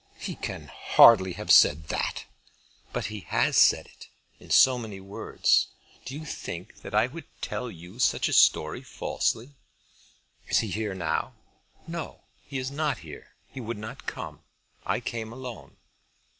"He can hardly have said that." "But he has said it, in so many words. Do you think that I would tell you such a story falsely?" "Is he here now?" "No; he is not here. He would not come. I came alone."